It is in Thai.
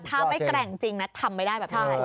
ถ้าไม่แกร่งจริงนะทำไม่ได้แบบนี้